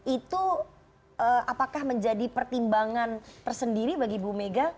itu apakah menjadi pertimbangan tersendiri bagi anda